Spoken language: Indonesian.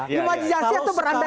imajinasi itu berada anda ya